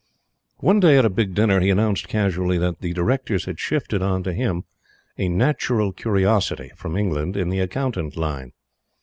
One day, at a big dinner, he announced casually that the Directors had shifted on to him a Natural Curiosity, from England, in the Accountant line.